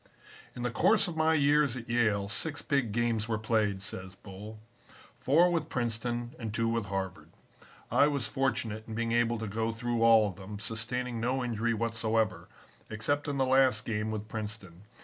"In the course of my years at Yale, six big games were played," says Bull, "four with Princeton and two with Harvard. I was fortunate in being able to go through all of them, sustaining no injury whatsoever, except in the last game with Princeton.